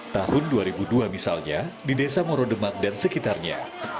tahun dua ribu dua misalnya di desa morodemak dan sekitarnya